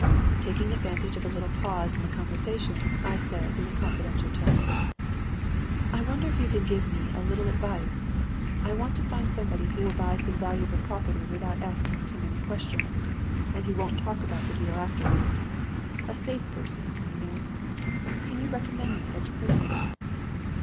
Taking advantage of a little pause in the conversation, I said in a confidential tone: "'I wonder if you can give me a little advice. I want to find somebody who will buy some valuable property without asking too many questions and who won't talk about the deal afterwards. A safe person, you know. Can you recommend me such a person?'